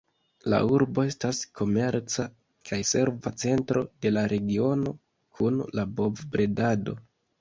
La urbo estas komerca kaj serva centro de la regiono kun la bov-bredado.